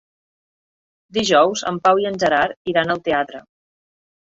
Dijous en Pau i en Gerard iran al teatre.